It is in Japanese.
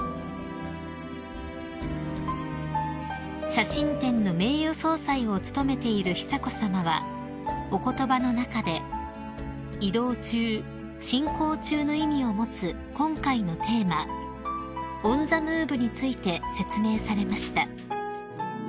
［写真展の名誉総裁を務めている久子さまはお言葉の中で「移動中」「進行中」の意味を持つ今回のテーマ「Ｏｎｔｈｅｍｏｖｅ」について説明されました］